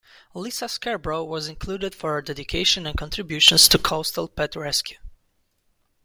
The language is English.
Lisa Scarbrough was included for her dedication and contributions to Coastal Pet Rescue.